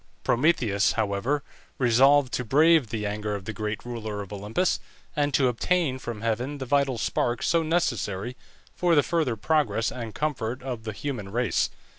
Prometheus, however, resolved to brave the anger of the great ruler of Olympus, and to obtain from heaven the vital spark so necessary for the further progress and comfort of the human race.